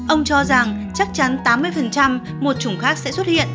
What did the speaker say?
ông cho rằng chắc chắn tám mươi một chủng khác sẽ xuất hiện